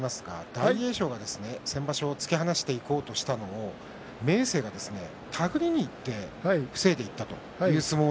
大栄翔が先場所突き放していこうとしたのを明生が手繰りにいって防いでいきました。